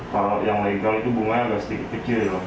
kalau yang legal itu bunganya agak sedikit kecil